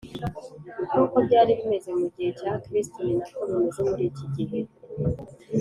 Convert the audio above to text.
nk’uko byari bimeze mu gihe cya kristo, ni na ko bimeze muri iki gihe